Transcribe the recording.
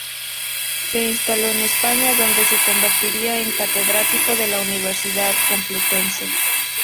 Se instaló en España, donde se convertiría en catedrático de la Universidad Complutense.